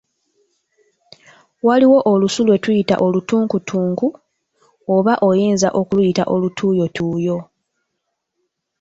Waliwo olusu lwe tuyita "olutunkutunku", oba oyinza okuluyita olutuuyotuuyo.